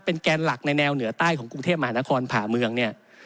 แกนหลักในแนวเหนือใต้ของกรุงเทพมหานครผ่าเมืองเนี่ย